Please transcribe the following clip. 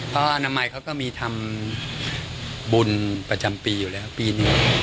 เพราะอาณาใหม่เค้าก็มีทำบุญประจำปีอยู่แล้วปีหนึ่ง